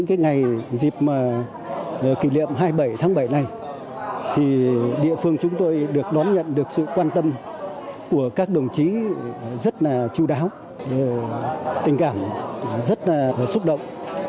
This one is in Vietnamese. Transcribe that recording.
kỷ niệm hai mươi bảy tháng bảy này địa phương chúng tôi được đón nhận được sự quan tâm của các đồng chí rất chú đáo tình cảm rất xúc động